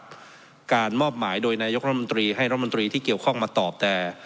แจงแล้วหลายครั้งนะครับการมอบหมายโดยนายกรมนตรีให้รับมนตรีที่เกี่ยวข้องมาตอบแต่